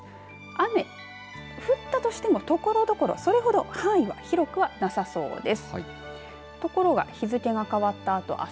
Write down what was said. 雨降ったとしてもところどころそれほど範囲は広くはなさそうです。